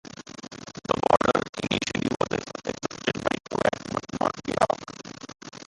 The border initially was accepted by Kuwait but not Iraq.